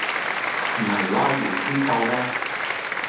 唔係拉完先扣咩